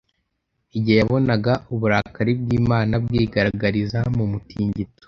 igihe yabonaga uburakari bw’Imana bwigaragariza mu mutingito.